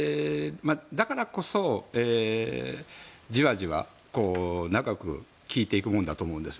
だからこそ、じわじわと長く効いていくものだと思うんです。